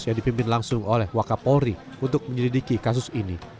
yang dipimpin langsung oleh wakapolri untuk menyelidiki kasus ini